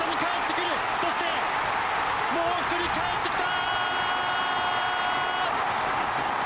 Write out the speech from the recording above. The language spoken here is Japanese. そして、もう１人かえってきた！